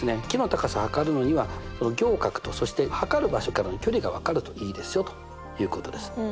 木の高さを測るのには仰角とそして測る場所からの距離が分かるといいですよということです。